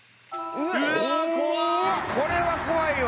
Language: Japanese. これは怖いわ。